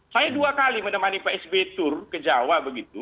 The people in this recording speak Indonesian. saya dua kali menemani pak sby turun ke jawa begitu